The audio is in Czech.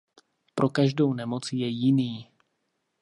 Pro každou nemoc je jiný.